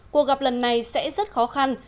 cuộc gặp lần này sẽ rất khó khăn